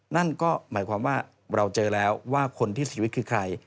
นั่นก็หมายความว่าเราเจอแล้วว่าคนที่เสียชีวิตคือใคร